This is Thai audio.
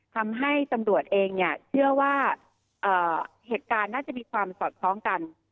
ทำให้ตำรวจเองเนี่ยเชื่อว่าเหตุการณ์น่าจะมีความสอดคล้องกัน